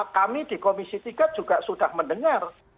kami di komisi tiga juga sudah mendengar